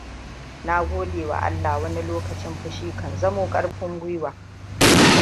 Na godewa Allah wani lokacin fushi kan zamo ƙarfin gwiwa.